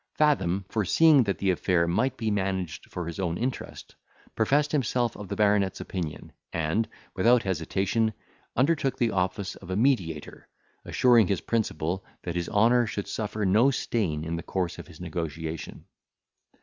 Fathom foreseeing that the affair might be managed for his own interest, professed himself of the baronet's opinion; and, without hesitation, undertook the office of a mediator, assuring his principal, that his honour should suffer no stain in the course of his negotiation.